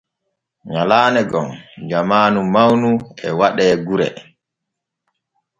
Nyalaane gom jamaanu mawnu e waɗe gure.